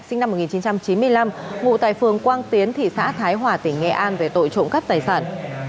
sinh năm một nghìn chín trăm chín mươi năm ngụ tại phường quang tiến thị xã thái hòa tỉnh nghệ an về tội trộm cắp tài sản